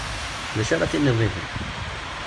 D acu ara tiniḍ ihi?